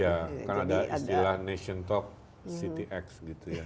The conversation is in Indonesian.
ya kan ada istilah nation talk cityx gitu ya